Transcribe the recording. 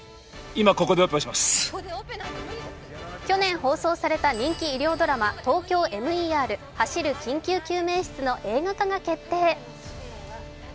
去年、放送された人気医療ドラマ「ＴＯＫＹＯＭＥＲ走る緊急救命室」の映画化が決定。